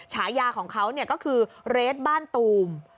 ฉายาของเขาก็คือเรทบ้านตูม